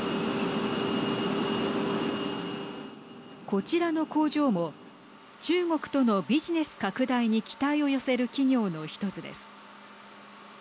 こちらの工場も中国とのビジネス拡大に期待を寄せる企業の一つです。